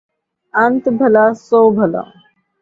انت بھلا سو بھلا